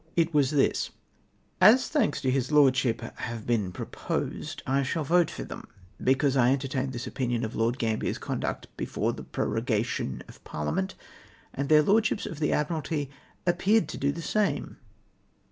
It was this :—" As thanks to his Lordship liave been proposed, I shall vote for them, because I entertained this opinion of Lord Gambler's conduct before the prorogation of Parhament, and their Lordships of the Adriiiralty ap peared to do die same